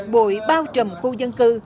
bụi bao trùm khu dân cư